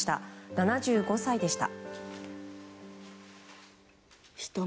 ７５歳でした。